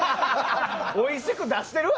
おいしく出してるわ！